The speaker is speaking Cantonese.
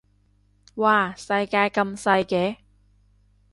嘩世界咁細嘅